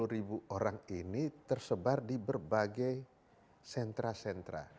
dua ratus lima puluh ribu orang ini tersebar di berbagai sentra sentra